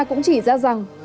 cũng chỉ ra rằng